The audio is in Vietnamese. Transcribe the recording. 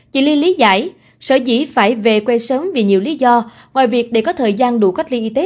chị ly lý giải sở dĩ phải về quê sớm vì nhiều lý do ngoài việc để có thời gian đủ cách ly y tế